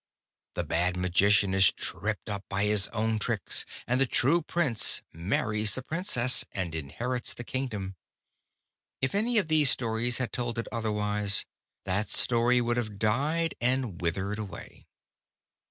The bad magician is tripped up by his own tricks, and the true prince marries the princess and inherits the kingdom. If any one of these stories had told it otherwise, that story would have died and withered away.